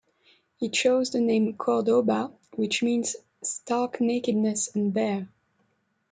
He chose the name Cordoba which means "stark nakedness and bare".